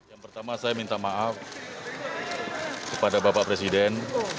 yang pertama saya minta maaf kepada bapak presiden